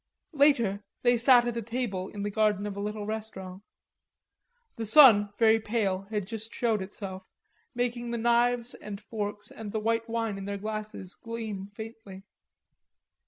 Later they sat at a table in the garden of a little restaurant. The sun, very pale, had just showed itself, making the knives and forks and the white wine in their glasses gleam faintly.